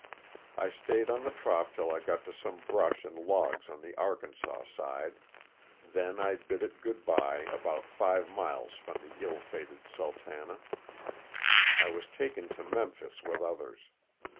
I stayed on the trough till I got to some brush and logs on the Arkansas side ; then I bid it good bye about five miles from the ill fated '^Sultana." I was taken to Memphis with others.